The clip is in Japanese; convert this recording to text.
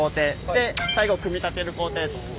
で最後組み立てる工程と。